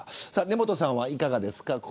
根本さんは、いかがですか